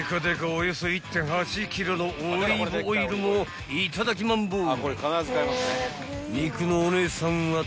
およそ１．８ｋｇのオリーブオイルもいただきマンボウ］